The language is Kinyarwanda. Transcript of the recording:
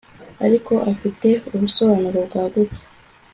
ariko afite ubusobanuro bwagutse